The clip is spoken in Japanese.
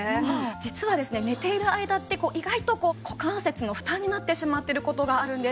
実はですね寝ている間って意外と股関節の負担になってしまってる事があるんです。